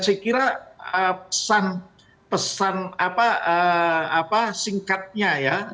saya kira pesan pesan apa apa singkatnya ya